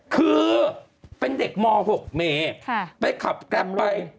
คือเป็นเด็กม๖เมไปขับแกรมไป